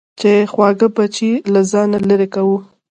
چې خواږه بچي له ځانه لېرې کوو.